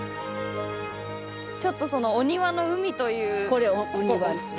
ちょっとそのお庭の海という。